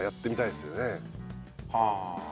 はあ。